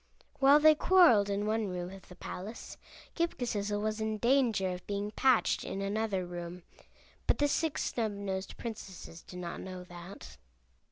While they quarreled in one room of the palace Ghip Ghisizzle was in danger of being patched in another room; but the Six Snubnosed Princesses did not know that.